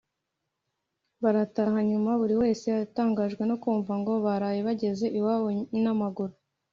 barataha. nyuma buri wese yatangajwe no kumva ngo baraye bageze iwabo n’amaguru.